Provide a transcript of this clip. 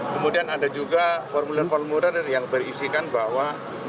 kemudian ada juga formulir formulir yang berisikan bahwa